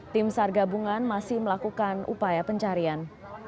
tim sargabungan masih melakukan upaya pencarian